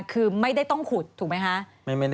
คือไม่ได้ต้องขุดถูกไหมคะ